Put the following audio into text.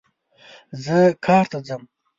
زه کار ته ځم